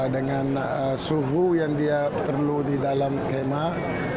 dengan suhu yang dia perlu di dalam kemah